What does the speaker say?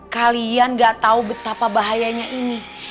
kalian gak tahu betapa bahayanya ini